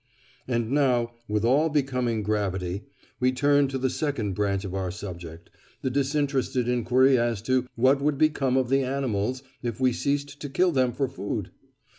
And now, with all becoming gravity, we turn to the second branch of our subject—the disinterested inquiry as to "what would become of the animals" if we ceased to kill them for food.